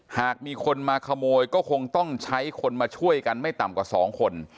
หากมีคนมาขโมยก็คงต้องใช้คนมาช่วยกันไม่ต่ำกว่า๒คน